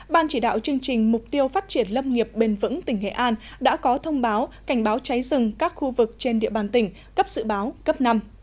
ban chỉ đạo chương trình mục tiêu phát triển lâm nghiệp bền vững tỉnh hệ an đã có thông báo cảnh báo cháy rừng các khu vực trên địa bàn tỉnh cấp dự báo cấp năm